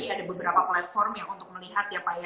ada beberapa platform ya untuk melihat ya pak ya